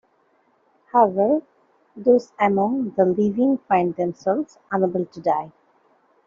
However, those among the living find themselves unable to die.